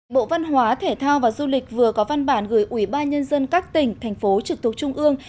bộ văn hóa thể thao và du lịch vừa có văn bản gửi ủy ban nhân dân các tỉnh thành phố trực thuộc trung ương